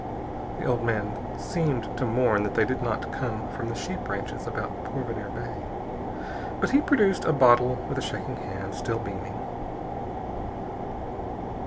_" The old man seemed to mourn that they did not come from the sheep ranches about Porvenir Bay. But he produced a bottle with a shaking hand, still beaming.